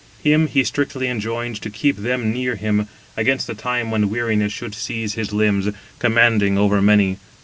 Him he strictly enjoined to keep them near him, against the time when weariness should seize his limbs, commanding over many.